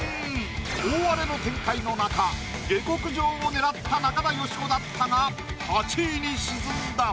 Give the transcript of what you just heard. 大荒れの展開の中下克上を狙った中田喜子だったが８位に沈んだ。